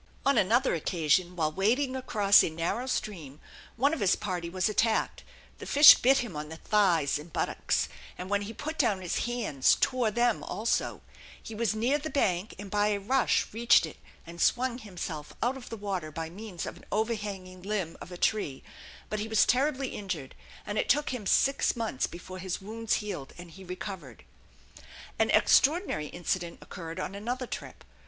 On another occasion while wading across a narrow stream one of his party was attacked; the fish bit him on the thighs and buttocks, and when he put down his hands tore them also; he was near the bank and by a rush reached it and swung himself out of the water by means of an overhanging limb of a tree; but he was terribly injured, and it took him six months before his wounds healed and he recovered. An extraordinary incident occurred on another trip.